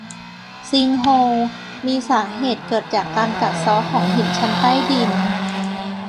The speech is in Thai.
ซิงโฮล มีสาเหตุเกิดจากการกัดเซาะของหินชั้นใต้ดิน